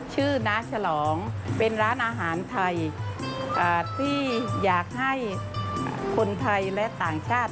น้าฉลองเป็นร้านอาหารไทยที่อยากให้คนไทยและต่างชาติ